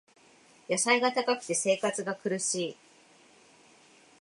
野菜が高くて生活が苦しい